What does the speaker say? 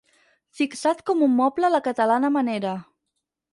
Fixat com un moble a la catalana manera.